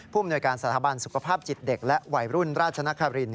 อำนวยการสถาบันสุขภาพจิตเด็กและวัยรุ่นราชนคริน